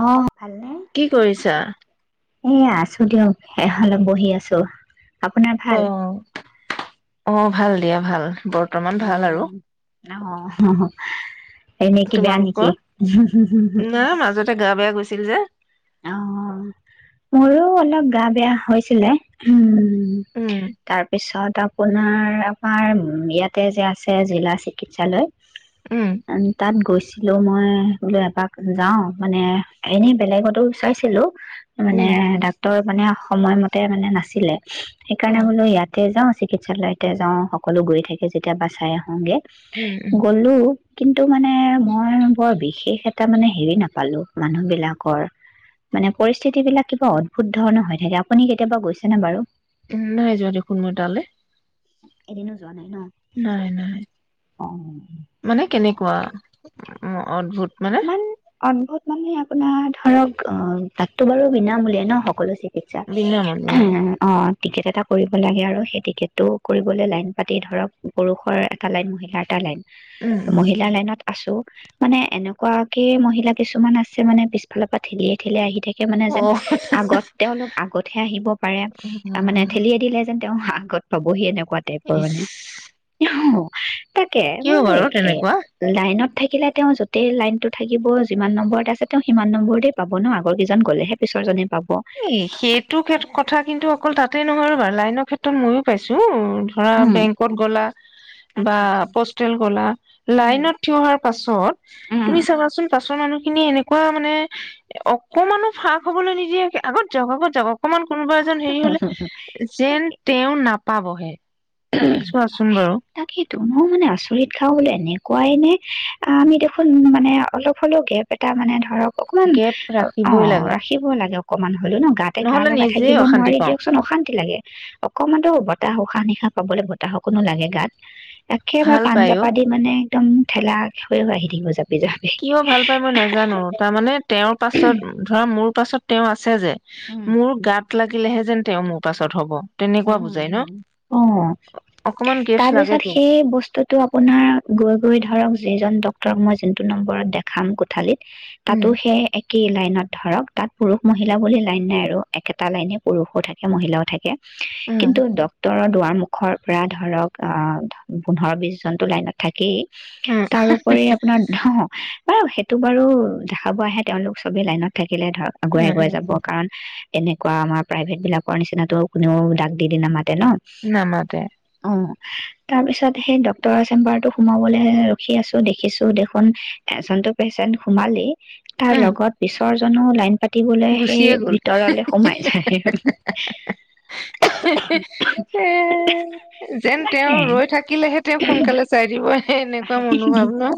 অ ভালনে? কি কৰিছা? এ আছো দিয়ক এফালে বহি আছো আপোনাৰ ভাল? অঁ ভাল দিয়া ভাল বৰ্তমান ভাল আৰু উম অ' এনে কি বেয়া তোমালোকৰ নেকি কি কৈছে অঁ মোৰো অলপ গা বেয়া হৈছিলে। উম উ, উম তাৰ পিছত আ আপোনাৰ, আমাৰ ইয়াতে যে আছে জিলা চিকিৎসালয় উম তাত গৈছিলো মই লৈ এপাক যাও মানে, এনে বেলেগত টো চাইছিলো মানে, উম ডাক্তৰ মানে সময় মতে তাতে মানে নাছিলে অ সেইকাৰণে বোলো ইয়াতে যাও চি চিকিৎসালয়তে যাওঁ সকলো গৈ থাকে যেতিয়া এবাৰ চাই আহোঁগৈ উম উম গলো কিন্তু মানে মই বৰ বিশেষ এটা মানে হেৰি নাপালো মানুহ বিলাকৰ মানে পৰিস্থিতি বিলাক কিবা অদ্ভুত ধৰণৰ হৈ থাকে। আপুনি কেতিয়াবা গৈছেনে বাৰু? উম, নাই যোৱা দেখোন মই তালৈ, এদিনো যোৱা নাই ন নাই নাই, অ মানে কেনেকুৱা? অ', অদ্ভুত। মানে ইমান অদ্ভুত মানুহে আপোনাৰ ধৰক অ' তাততো বাৰু বিনামূলীয়া ন সকলো দেখিছা বিনামূলীয়া অঁ টিকেট এটা কৰিব লাগে আৰু সেই টিকেটটো কৰিবলৈ লাইন পাতি ধৰক পুৰুষৰ এটা লাইন মহিলাৰ এটা লাইন উম উম মহিলা লাইনত আছো মানে এনে কুৱাকে মহিলা কিছুমান আছে, মানে পিছফালৰ পৰা ঠেলিয়াই -ঠেলিয়াই আহি থাকে। সে, 'মানে অ যেন, আগত তেওঁলোক- আগতহে আহিব পাৰে মানে অ উম ', ঠেলিয়ে দিলে যেন। তেওঁ [unintelligible] পাবহি এনেকুৱা পোৱা টাইপৰ ইচ মানে অ তাকে কিয় মোৰ বাৰু এ তেনেকুৱা লাইনত থাকিলে তেওঁ য' ত, - গোটেই লাইনটো থাকিব, যিমান নম্বৰত আছে তেওঁ সিমান নম্বৰতেই পাব ন ', আগৰকেইজন গ'লেহে পিছৰজনে পাব। এ', সেইটো সেত কথা কিন্তু, অকল তাত, তাতে নহয় ৰবা, লাইনৰ ক্ষেত্ৰত ময়ো পাইছো, ধৰা উম বেংকত গ'লা বা আচ্ছা আচ্ছা পোষ্টেল গ'লা উম লাইনত থিয় হোৱাৰ পাছত উম তুমি চাবাচোন পাছৰ মানুহ -খিনি এনেকুৱা মানে অকমানো- ফাক হবলৈ নিদিয়ে কিয়? আগত যাৱক আগত যাব অকমান কোনোবা এজন হেৰি হলে যেন তাকে তেওঁ নাপাবহে চোৱাচোন বাৰু তুমিও মানে আচৰিত খাওঁ বোলে এনেকুৱাই নে ', আমি দেখোন মানে অলপ হ'লেও গেপ এটা মানে ধৰক, অকমান গেপ ৰাখিবই অ', লাগে ৰাখিব লাগে। কমান হলেও ন গাতে গা নহলে লগাই নিজে থাকিব অশান্তি নোৱাৰি পাওঁ দিয়কচোন অশান্তি লাগে অকমানতো বতাহ উশাহ নিশাহ খাবলৈ বতাহ অকনো লাগে গাত একেবাৰে, ভাল পান- পায় অ জাপা দি মানে, একদম ঠেলা হৈ হৈ আহি থাকিব যাত কিয় ভাল পাই মই নাজানো, তাৰমানে তেওঁৰ পাছত ধৰা মোৰ, তছত তেওঁ আ, '- চেযে উম মোৰ গাত লাগিলেহে যেন তেওঁ মোৰ পাছত হ'ব তেনেকুৱা বুজাই ন উম্ ', -অ', অকমান গেপছ তাৰপিছত লাগেতো সেই বস্তুতটো আপোনাৰ গৈ -গৈ ধৰক, যিজন ডক্তৰক মই', নম্বৰত দেখাম কোঠালিত। উম তাতো সে এক কি লাইনত ধৰক তাত পুৰুষ মহিলা বুলি লাইন নাই আৰু একেটা লাইনে পুৰুষও থাকে মহিলাও থাকে উম কিন্তু ডক্টৰত দুৱাৰ- মুখৰ পৰা ধৰক পোন্ধৰ- বিছ জনটো লাইনত থাকেই। উম তাৰোপৰি আপোনাৰ [unintelligible] বাৰু সেইটো বাৰু দেখাব আহে তেওঁলোক চবেই লাইনত থা হিলে ধৰক উম আগুৱাই উম আগুৱাই যাব কাৰণ তেনেকুৱা আমাৰ প্ৰাইভেট বিলাকৰ নিচিনাটো কোনেও দাগ দি দি নামাত- নহ, নামাতে অহ। তাৰ পিছত সেই ডক্তৰৰ চেম্বাৰটো সোমাবলৈ ৰখি আছো দেখিছো দেখোন এ চনটো পেচেন্ট সোমালেই তাৰ উম লগত পিছৰ [unintelligible] লাইন পাতিবলে সেই গুচিয়ে গ'ল ভিতৰলে সোমাই যায়। এ যেন তেওঁ তাকে ৰৈ থাকিলেহে তেওঁক সোনকালে চাই দিব হে এনেকুৱা মনোভাৱ ন?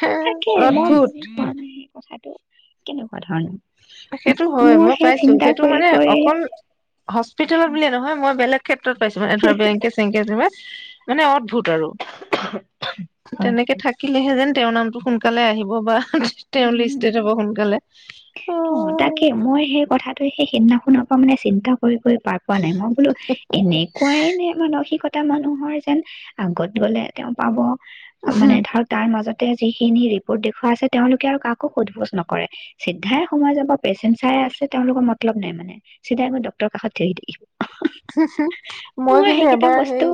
হে তাকে মই বুজি অদ্ভুত পোৱা নাই কথাটো কেনেকুৱা ধৰণ সেইটো হয় মই পাইছো সেইটো কৰি মানে কৰি অকল হস্পিতেলত বুলিয়ে নহয় মই বেলেগ ক্ষেত্ৰত পাইছো মানে ধৰা বেংকে চেংকে মানে অদ্ভুত আৰু হয় তেনেকে থাকিলেহে যেন তেওঁৰ নামটো সোনকালে আহিব বা তেওঁৰ উম লিষ্টেড হ'ব সোনকালে অ', তাকে মই সেই কথাটো সেইদিনা খনৰ মানে চিন্তা কৰি কৰি পাৰ পোৱা নাই মই বোলো এনেকুৱাই নে মানসিকত এটা মানুহৰ যেন, আগত গ'লে তেওঁ পাব। মানে ধৰক তাৰ মাজত যিখিনি ৰিপৰ্ট দেখুৱা আছে তেওঁলোকে আৰু কাকো সোধ পোজ নকৰে চিধাই সময় যাব পেচেণ্ট চাই আছে তেওঁলোকৰ মতলব নাই মানে, চিধাই গৈ ডক্তৰৰ কাষত থিয়হি থাকি হু মই কিন্তু এবাৰ বস্তু সেই,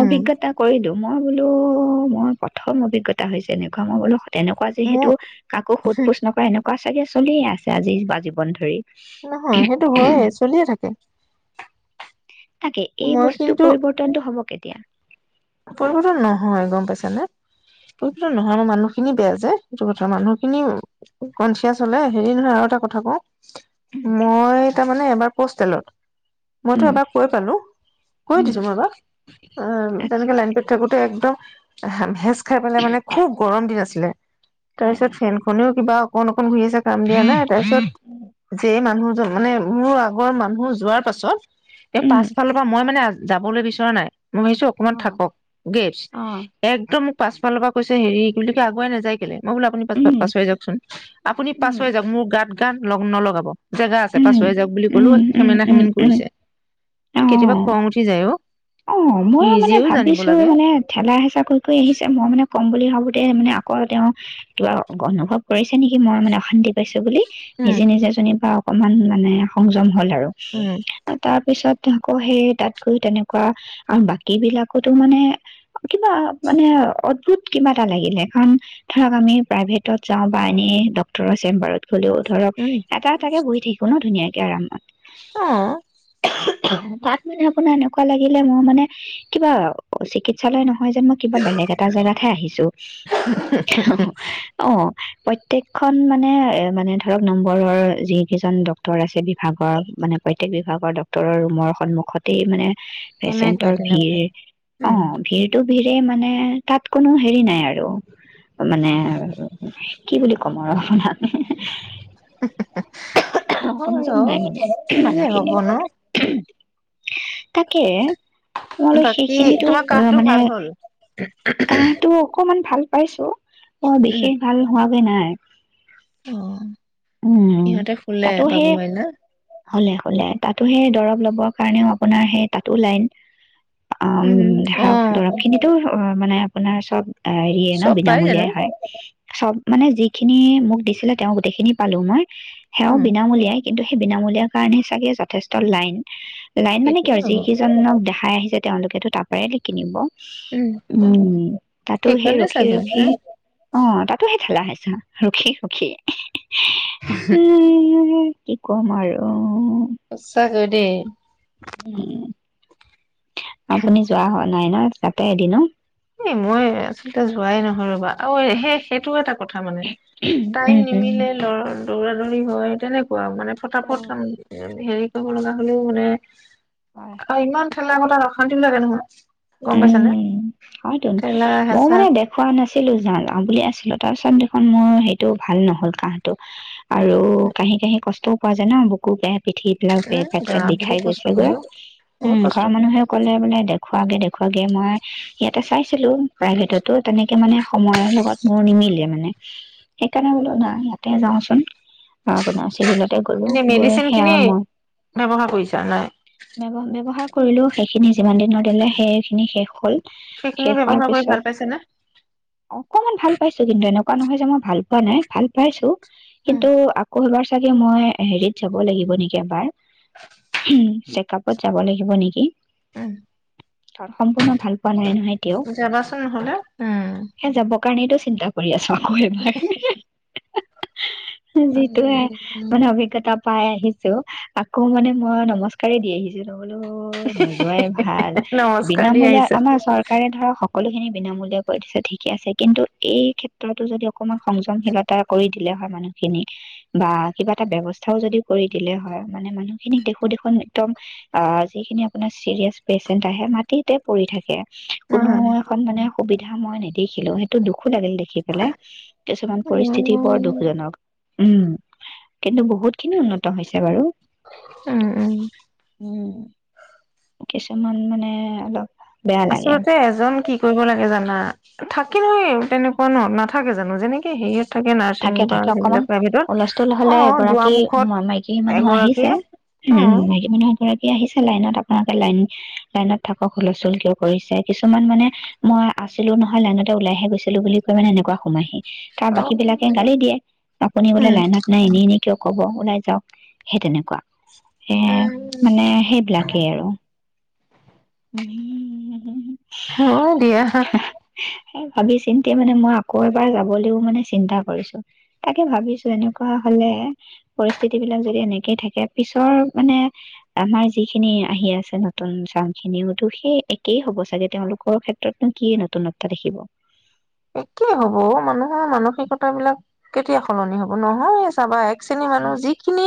উম। অভিজ্ঞতা কৰিলো মই বোলো, মোৰ প্ৰথম অভিজ্ঞতা হৈছে এনেকুৱা মই বোলো তেনেকুৱা মোৰ যিহেতু কাকো সোধ পোছ নকৰে এনে [unintelligible] চাগে চলিয়ে আছে আজি-আজীৱন ধৰি। নহয় সেইটো হয়ে চলিয়ে থাকে। তাকে এই মই বস্তুতটো কিন্তু পৰিবৰ্তনতটো হব কে এতিয়া পৰিৱৰ্তন নহয় গম পাইছানে পৰিৱৰ্তন নহয় মোৰ মানুহখিনি বেয়া যে সেইটো কথা মানুহখিনি কনচিয়াচ হলে হেৰি নহয় আৰু এটা কথা কওঁ মই তাৰমানে এবাৰ পোষ্টেলত মইতো উম এবাৰ কৈ পালো কৈ উম দিছো মই এবাৰ আহ আচ্ছা তেনেকে লাইনটোত থাকো একদম খাই পেলাই মানে খুব গৰম দিন আছিলে হয় তাৰপিছত হয় ফেনখনেও কিবা অকণো খন ঘূৰি আছে কাম দিয়া নাই তাৰপিছত যে মানুহজন মানে মোৰ আগৰ মানুহ যোৱাৰ পাছত এই উম পাছফালৰ পৰা মই মানে যাবলৈ বিচৰা নাই মই অ অকমান থাকক গেপচ অ একদম পাছফালৰ পৰা কৈছে হেৰি কি বুলি আগুৱাই নাযায় কেলে মই বোলো আপুনি পাছক উম পাছোৱাই যাকচোন আপুনি উম পাছোৱাই যাওক মোৰ গাত তাত লগ নোলগাব জেগা আছে উম পাছুৱে যাওক বুলি ক'লো উম উম সেমেনা উম সেমেন উম কৰিছে অ কেতিয়াবা খং উঠি যায় অ অ মইও মানে নিজেও জানিব ভাবিছো লাগে মানে ঠেলা হেঁচা কৰি কৰি আহিছে মই মানে কম বুলি ভাবোতে মানে আকৌ তেওঁ কিবা অনুভৱ কৰিছে নেকি মই মানে অশান্তি পাইছো বুলি উম নিজে নিজে জনিবা অকমান মানে সংযম হল আৰু উম তাৰপিছত আকৌ সেয়ে তাত গৈ তেনেকুৱা আৰু বাকী বিলাকতো মানে কিবা মানে অদ্ভুত কিবা এটা লাগিলে কাৰণ ধৰক আমি প্ৰাইভেটত যাওঁ বা এনে ডক্টৰৰ চেম্বাৰত হলেও ধৰক উম এটা এটাকে বহি থাকো ন ধুনীয়াকে কেৰমত অ [inaudible] তাত মানে আপোনাৰ এনেকুৱা লাগিলে মই মানে কিবা চিকিৎসালয় নহয় হয় যেন মই কিবা বেলেগ এটা জেগাত হে আহিছো অ প্ৰত্যেকখন মানে মানে ধৰক নম্বৰৰ যিকেইজন ডক্তৰ আছে বিভাগৰ মানে প্ৰত্যেক বিভাগৰ ডক্তৰৰ ৰুমৰ সন্মুখতেই মানে তেনেকুৱাই পেচেণ্টৰ তেনেকুৱাই ভিৰ অ উম ভিৰটো [unintelligible] মানে তাত কোনো হেৰি নাই আৰু মানে, কি বুলি ক'ম আৰু। [unintelligible] হয় সংযম অ নাই মানে, কি যে মানুহখিনি। হব ন তাকে। [unintelligible] বাকী সেইখিনিতো তোমাৰ কাহটো মানে, ভাল হ'ল কাঁহটো অকমান ভাল পাইছো। উম দেখি ভাল হোৱা নাই। অ', উম ইহঁতে শুলে, বাবু মাইনা? শুলে শুলে, তাতো সেই দৰব ল'বৰ কাৰণেও আপোনাৰ সেই তাতো লাইন। অ', উম অ ধৰক দৰৱ খিনিতো অ' মানে আপোনাৰ চব হেৰিয়ে ন' চব পাই জানো বিনামূলীয়াই হয়। চব মানে, যিখিনি মোক দিছিলে তেওঁ গোটেইখিনি পালো মই। অ সেয়াও বিনামূলীয়াই। কিন্তু সেই বিনামূলীয়াৰ কাৰণেই চাগে যথেষ্ট লাইন। লাইন মানে কি সেইটোৱে আৰু যি হ'ব কেইজন দেখাই আহিছে তেওঁলোকেতো তাৰ পৰাই দি কিনিব। উম তাতো সেই সেইকাৰণে ৰখি চাগৈ ন ৰখি অ তাতো সেই [unintelligible] ওহো। কি ক'ম আৰু সছাকৈ দেই। আপুনি যোৱা হয়। নাই ন তাতে এদিন এই মই আচলতে যোৱাই ৰ'বা আৰু সেই সেইটো এটা কথা মানে, উম, উম। টাইম নিমিলে [unintelligible] দৌৰা দৌৰি হয়, তেনেক [unintelligible] মানে ফটাফট উম, হেৰি পুৰণা হ'লেও মানে হয়। অ', ইমান ঠেলা [unintelligible] [unintelligible] নহয়। গম পাইছা নে? উম, [unintelligible] ময়ো মানে দেখুৱা নাছিলো যা-যাওঁ বুলিয়ে আছিলো। [unintelligible] দেখোন মোৰ সেইটো ভাল নহল কাহটো আৰু কাহি কাহি কষ্ট পোৱা ন' বুকু পে পিঠি এই বিলাক উম পেট বা চেট বিষাই বহুত কষ্ট গৈছেগৈ হয় অ বহুত উম কষ্ট ঘৰৰ হয় মানুহে ক'লে বোলে দে খোৱাগে দেখ খোৱাগে মই ইয়াতে চাইছিলোঁ প্ৰাইভেটতো তেনেকে মানে সময়ৰ লগত মোৰ নিমিলে মানে। সেইকাৰণে বোলো নাই ইয়াতে যাওচোন আপোনাৰ চিভিলত। গলো এনে গৈ মেডিচিন সেয়া খিনি মই ব্যৱহাৰ কৰিছা নাই বৱ ব্য্ৱহাৰ কৰিলো সেইখিনি যিমান দিনৰ দিলে শেষ। সেই খিনি শেষ হ'ল সেইখিনি শেষ হোৱাৰ ব্যৱহাৰ কৰি পিছত ভাল পাইছে নে অকমান ভাল পাইছো কিন্তু এনেকুৱা কোৱা নহয় যে মই ভাল পোৱা নাই, ভাল পাইছোঁ। উম কিন্তু আকৌ এবাৰ চাগে মই হেৰিত যাব লাগিব নেকি এবাৰ। উ, চেক আপত যাব লাগিব নেকি। উম [unintelligible] সম্পূৰ্ণ ভাল পোৱা নাই নহয় এতিয়াও যাবাচোন হ'লে উম। সেই যাবৰ কাৰণেইটো চিন্তা কৰি আছা। আৰু এবাৰ যিটো হে মান অভিগ্ৰটা পাই আহিছো আকৌ মানে মই নমস্কাৰে দি আহিছো বোলো নোযোৱাই ভাল নমস্কাৰ দি বিনামূলীয়া আহিছে আমাৰ চৰকাৰে ধৰক স সকলোখিনি বিনামূলীয়া কৰি দিছে ঠিকে আছে কিন্তু এই ক্ষেত্ৰতো যদি অকমান সংযমশীলতা কৰি দিলে হয় মানুহখিনিক বা কিবা এটা ব্যৱস্থাও যদি কৰি দিলে হয় মানে মানুহখিনিক দেখো দেখোন একদম অ যিখিনি আপোনাৰ চিৰিয়াছ পেচেণ্ট আহে ম তি তে পৰি থাকে কোনো নহয় এখন মানে সুবিধা মই নেদেখিলো, সেইটো দুখ দুখো লাগিল দেখি পেলাই কিছুমান উম পৰিস্থিতি বৰ দুখজনক উম। কিন্তু বহুত খিনি উন্নত হৈছে বাৰু উম উম উম কিছুমান মানে অলপ বেয়া লাগে, আচলতে এজন কি কৰিব লাগে জানা? থাকি নয় তেনেকুৱা ন' নাথাকে জানো, যেনেকে হেৰি থাকে থাকে অকমান হুলস্থুল অ হলে এগৰাকী দুৱাৰমুখত মাইকী মানুহ আহিছে এগৰাকীয়ে উ অ মাইকী মানুহ [unintelligible] আহিছে লাইনত আপোনালোকে লাইন-লাইনত থাকক, হুলস্থুল কিয় কৰিছে, কিছুমান মানে মই আছিলো নহয় লাইনতে ওলাইহে গৈছিলো বুলি কৈ মানে এনেকুৱা সোমাইহি। তাৰ বাকী আহ বিলাকে গালি দিয়ে আপুনি বোলে লাইনাত নাই এনি এনে কিয় কব ওলাই যাওক সেই তেনেকুৱা এ, মানে সেইবিলাকেই আৰু। উম উ [unintelligible] হয় দিয়া স ভাবি চিন্তি মানে মই আকৌ এবাৰ যাবলৈও মানে চিন্তা কৰিছো তাকে ভাবিছো এনেকুৱা হলে পৰিস্থিতি বিলাক যদি এনেকেই থাকে পিছৰ মানে আমাৰ যিখিনি আহি আছে নতুন চান খিনিওতো সেই একেই হ'ব চাগে তেওঁলোকৰ ক্ষেত্ৰতনো কি নতুনত্বা দেখিব। একে হব মানুহৰ মানসিকতাবিলাক কেতিয়া সলনি হব, নহয় চাবা এক [unintelligible] মানুহ যিখিনি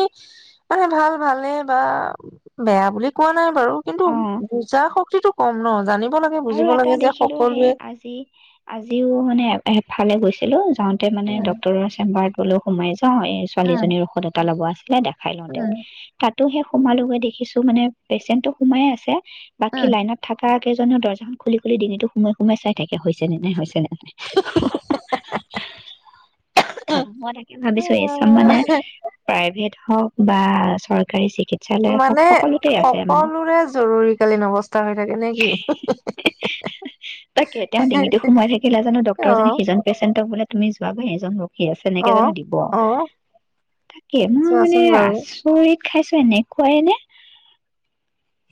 মানে ভাল ভালে বা বেয়া বুলি কোৱা নাই বাৰু কিন্তু অ বুজা [unintelligible] কম ন' জানিব লাগে আৰু বুজিব এটা লাগে যে দেখিলো সেই সকলোৱে আজি আজিও মানে এ-এফালে গৈছিলো। যাওঁতে মানে উম ডক্টৰৰ চেম্বাৰত [unintelligible] সোমাই [unintelligible] এই উম ছোৱালীজনীৰ ঔষধ এটা ল'ব আছে দাদা। খাই লওঁ তেওঁক, তাত তো সে সোমালোগে দেখিছো মানে, পেচেণ্টটো সোমায়ে আছে বাকী উম লাইনত থকা কেইজনে দ খুলি খুলি ডিঙিটো সুমোৱাই সুমুৱাই চাই থাকে, হৈছে নে নাই, হৈছে নাই উম মই তাকে ভাবিছো এই চাম মানে আহ প্ৰাইভেট হওক বা চৰকাৰী চিকিৎসালয় হওক মানে সকলোতে আছে মানে সকলোৰে জৰুৰীকালীন অৱস্থা [unintelligible] থাকে নে কি? [inaudible] তাকে তেওঁ ডিঙিতো সোমাই থাকিলে জানো, অ ড্ক্তৰ জনে সিজন পেচেণ্টক বোলে তুমি যোৱা গৈ এজন ৰখো [unintelligible] আছে এনেকে অ জানো দিব। অ তাকে মই মানে চোৱাচোন বাৰু আচৰিত খাইছো এনে খুৱাই নে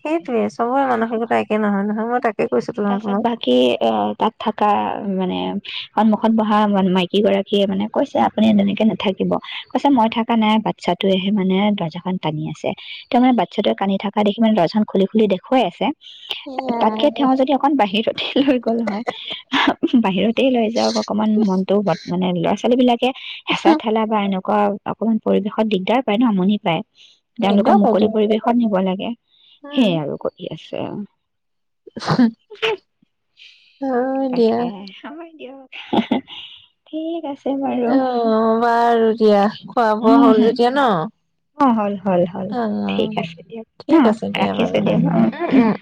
সেইটোয়ে চবৰে মানসিকতা একে নহয় নহয়, মই তাকে কৈছো তো তাৰ পিছত তোমাক বাকী, অ', তাত থাকা, মানে সন্মুখত বহা মাইকী গৰাকীয়ে, মানে, কৈছে, আপুনি তেনেকে নাথাকিব, কৈছে, মই থাকা নাই। বাচ্ছাটোৱেহে, মানে, দৰ্জাখন টানি আছে। ত', মানে, বাচ্ছাটোৱে টানি থাকা দেখি, মানে, দৰ্জাখন খুলি-খুলি দেখুৱাই আছে উ তাতকে তেওঁ যদি অকণ বাহিৰতেই লৈ গ'ল, হয়, বাহিৰতেই লৈ যাওক। অকণমান মনটোও বদ, মানে, ল'ৰা-ছোৱালীবিলাকে হেঁচা-ঠেলা বা এনেক অকমান পৰিৱেশত দিগদাৰ পায় ন আমনি পায় তেওঁলোকৰ দিগদাৰ হয়তো মুকলি পৰিৱেশত নিব লাগে উম সেইয়াও কৰি আছে তেওঁ [inaudible] হয় দিয়া তাকে, হ'ব দিয়ক। ঠিক আছে বাৰু অ বাৰু দিয়া খোৱা বোৱা উম, হ'ল হম, যেতিয়া ন অ হল হল হল অ ঠিক আছে দিয়ক ন ঠিক আছে দিয়া ৰাখিছো বাৰু। উম দিয়ক অ উম উম।